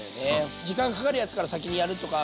時間かかるやつから先にやるとか。